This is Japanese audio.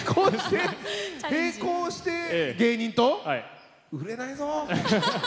並行して芸人と？売れないぞ！